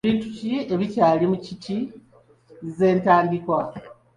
Bintu ki ebyali mu kiiti z'entandikwa?